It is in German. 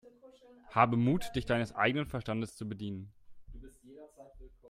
Habe Mut, dich deines eigenen Verstandes zu bedienen!